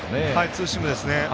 ツーシームですね。